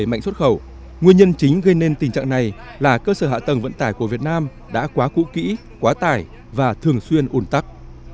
vấn đề mạnh xuất khẩu nguyên nhân chính gây nên tình trạng này là cơ sở hạ tầng vận tải của việt nam đã quá cũ kỹ quá tải và thường xuyên ủn tắc